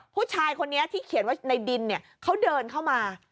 ผู้ชายคนนี้ที่เขียนว่าในดินเนี่ยเขาเดินเข้ามา